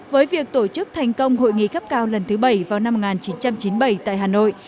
với việc tổ chức thành công hội nghị cấp cao lần thứ bảy vào năm một nghìn chín trăm chín mươi bảy tại hà nội